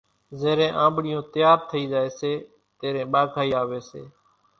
زيرين آنٻڙِيون تيار ٿئِي زائيَ سي تيرين ٻاگھائِي آويَ سي۔